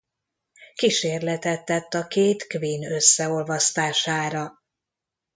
Kísérletet tett a két Quinn összeolvasztására.